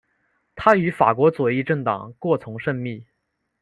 他与法国左翼政党过从甚密。